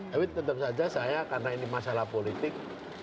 tapi tetap saja saya karena ini masalah politik